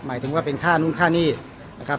หมายถึงว่าเป็นค่านู่นค่านี่นะครับ